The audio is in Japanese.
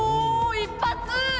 一発！